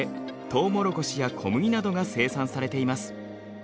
トウモロコシや小麦などが生産されています。